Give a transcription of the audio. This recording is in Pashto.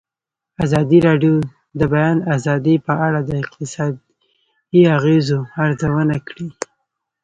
ازادي راډیو د د بیان آزادي په اړه د اقتصادي اغېزو ارزونه کړې.